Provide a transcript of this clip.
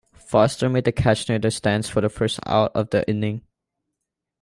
Foster made the catch near the stands for the first out of the inning.